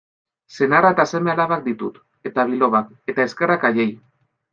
Senarra eta seme-alabak ditut, eta bilobak, eta eskerrak haiei.